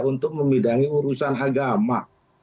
untuk memidangi urusan agama